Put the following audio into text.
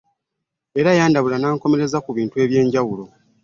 Era Yandabula n'ankomekerezza ku bintu eby'enjawulo .